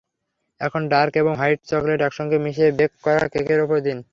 এখন ডার্ক এবং white chocolate একসঙ্গে মিশিয়ে বেক করা কেকের ওপর দিন।